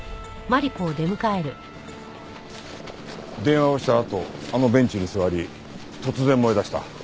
電話をしたあとあのベンチに座り突然燃えだした。